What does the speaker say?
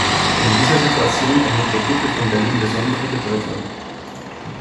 In dieser Situation erhält der Gipfel von Berlin besondere Bedeutung.